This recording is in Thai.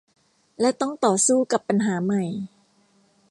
และต้องต่อสู้กับปัญหาใหม่